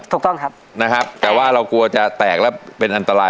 ถูกต้องครับนะครับแต่ว่าเรากลัวจะแตกแล้วเป็นอันตราย